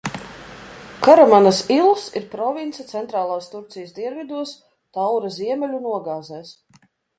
Karamanas ils ir province centrālās Turcijas dienvidos, Taura ziemeļu nogāzēs.